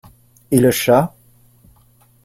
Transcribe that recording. Et le chat ?